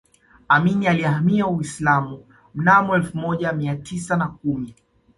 amini alihamia Uislamu mnamo elfu moja mia tisa na kumi